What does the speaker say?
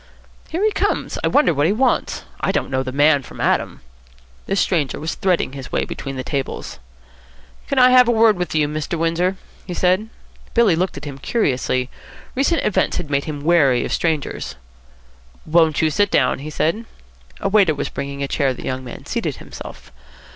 "Here he comes. I wonder what he wants. I don't know the man from Adam." The stranger was threading his way between the tables. "Can I have a word with you, Mr. Windsor?" he said. Billy looked at him curiously. Recent events had made him wary of strangers. "Won't you sit down?" he said. A waiter was bringing a chair. The young man seated himself.